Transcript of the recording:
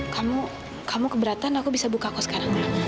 kamu kamu keberatan aku bisa buka kok sekarang